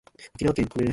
沖縄県宮古島市